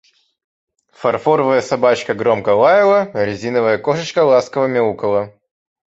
Фарфоровая Собачка громко лаяла, резиновая Кошечка ласково мяукала.